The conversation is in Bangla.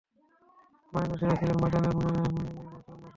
মায়ানবাসীরা ছিল মাদয়ান ইবন মাদয়ানে ইবন ইবরাহীম খলিলুল্লাহর সন্তান।